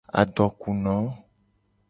Adoku no.